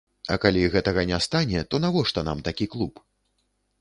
А калі гэтага не стане, то навошта нам такі клуб?